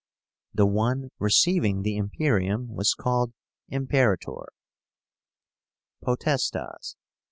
The one receiving the Imperium was called IMPERATOR. POTESTAS.